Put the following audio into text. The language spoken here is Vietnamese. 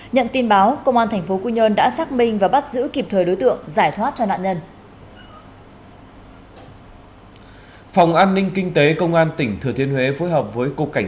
nhận tin báo công an thành phố quy nhơn đã xác minh và bắt giữ kịp thời đối tượng giải thoát cho nạn nhân